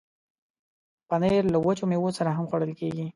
پنېر له وچو میوو سره هم خوړل کېږي.